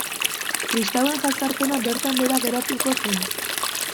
Kristauen jazarpena bertan behera geratuko zen.